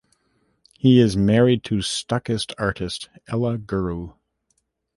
He is married to Stuckist artist Ella Guru.